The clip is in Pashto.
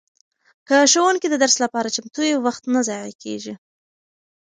که ښوونکی د درس لپاره چمتو وي وخت نه ضایع کیږي.